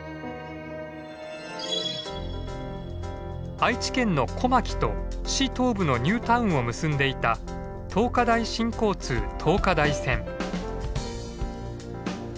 愛知県の小牧と市東部のニュータウンを結んでいた桃花台新交通桃花台線。